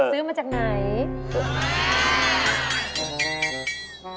ซื้อมาจากไหน